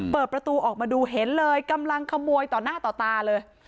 เปิดประตูออกมาดูเห็นเลยกำลังขโมยต่อหน้าต่อตาเลย